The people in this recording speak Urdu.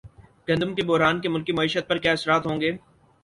گندم کے بحران کے ملکی معیشت پر کیا اثرات ہوں گے